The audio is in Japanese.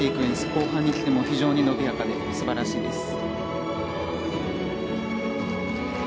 後半に来ても非常に伸びやかで素晴らしいです。